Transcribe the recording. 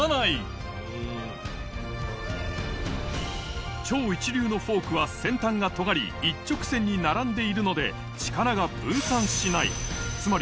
超一流は超一流のフォークは先端が尖り一直線に並んでいるので力が分散しない